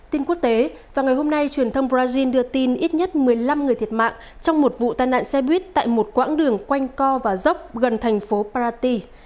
tin quốc tế vào ngày hôm nay truyền thông brazil đưa tin ít nhất một mươi năm người thiệt mạng trong một vụ tai nạn xe buýt tại một quãng đường quanh co và dốc gần thành phố parati